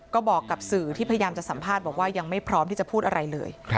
ก็บอกกับสื่อที่พยายามจะสัมภาษณ์บอกว่ายังไม่พร้อมที่จะพูดอะไรเลย